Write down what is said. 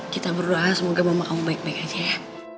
kita berdoa semoga mama kamu baik baik aja